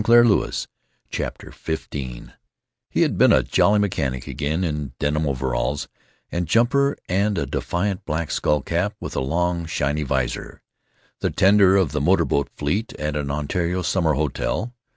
CHAPTER XV e had been a jolly mechanic again, in denim overalls and jumper and a defiant black skull cap with long, shiny vizor; the tender of the motor boat fleet at an Ontario summer hotel.